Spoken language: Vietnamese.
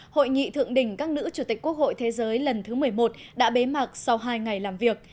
hội nghị thượng đỉnh các nữ chủ tịch quốc hội thế giới lần thứ một mươi một đã bế mạc sau hai ngày làm việc